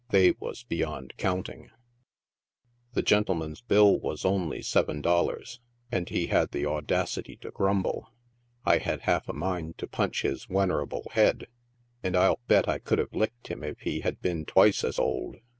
They was beyond counting. The gentleman's bill was only seven dollars, and he had the au dacity to grumble ; I had half a mind to punch his wenerable head, and I'll bet I could have licked him if he had been twice as old.